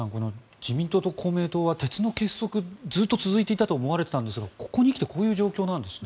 自民党と公明党は鉄の結束、ずっと続いていたと思われていたんですがここに来てこういう状況なんですね。